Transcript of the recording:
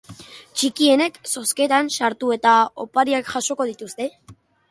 Txikienek zozketan sartu eta opariak jasoko dituzte.